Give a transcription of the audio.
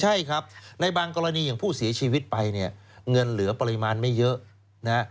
ใช่ครับในบางกรณีอย่างผู้เสียชีวิตไปเนี่ยเงินเหลือปริมาณไม่เยอะนะฮะ